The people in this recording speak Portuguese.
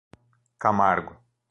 Camargo